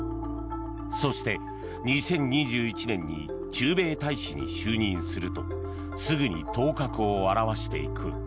そして、２０２１年に駐米大使に就任するとすぐに頭角を現していく。